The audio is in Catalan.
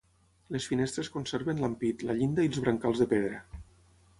Les finestres conserven l'ampit, la llinda i els brancals de pedra.